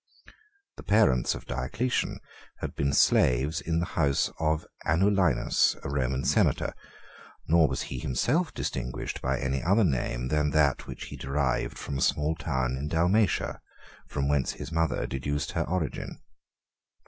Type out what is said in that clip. The parents of Diocletian had been slaves in the house of Anulinus, a Roman senator; nor was he himself distinguished by any other name than that which he derived from a small town in Dalmatia, from whence his mother deduced her origin.